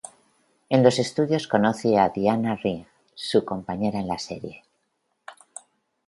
En los estudios conoce a Diana Rigg, su compañera en la serie.